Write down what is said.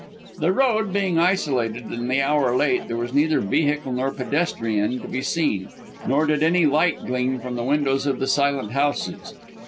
The road being isolated and the hour late, there was neither vehicle nor pedestrian to be seen, nor did any light gleam from the windows of the silent houses.